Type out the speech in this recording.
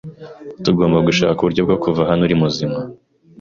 Tugomba gushaka uburyo bwo kuva hano ari muzima.